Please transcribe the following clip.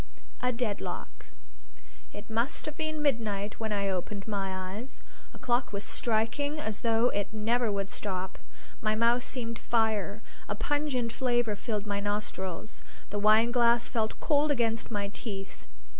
A DEADLOCK It must have been midnight when I opened my eyes; a clock was striking as though it never would stop. My mouth seemed fire; a pungent flavor filled my nostrils; the wineglass felt cold against my teeth.